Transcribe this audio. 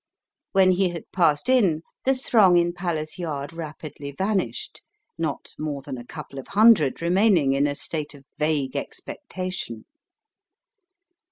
When he had passed in, the throng in Palace Yard rapidly vanished, not more than a couple of hundred remaining in a state of vague expectation.